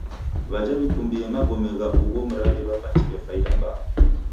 W'aja w'ikumbie magome kwa ugho mradi w'apatire faida mbaa.